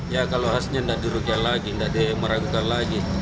ya kalau khasnya tidak dirugikan lagi tidak dimarahkan lagi